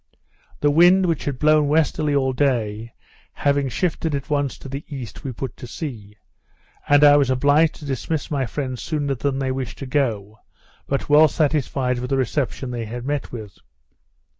The wind, which had blown westerly all day, having shifted at once to the east, we put to sea; and I was obliged to dismiss my friends sooner than they wished to go; but well satisfied with the reception they had met with.